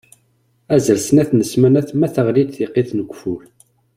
Azal n snat n ssamanat ma teɣli-d tiqqit n ugeffur.